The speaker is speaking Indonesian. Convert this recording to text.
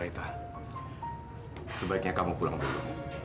ita sebaiknya kamu pulang dulu